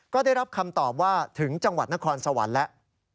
ก็ได้รับคำตอบว่าถึงจังหวัดนครสวรรค์แล้ว